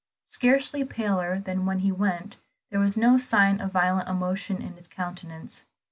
Scarcely paler than when he went, there was no sign of violent emotion in his countenance.